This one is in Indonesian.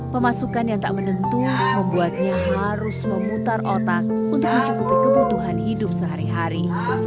pemasukan yang tak menentu membuatnya harus memutar otak untuk mencukupi kebutuhan hidup sehari hari